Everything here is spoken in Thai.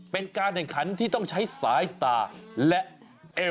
เป็นการแข่งขันที่ต้องใช้สายตาและเอว